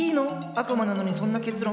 悪魔なのにそんな結論。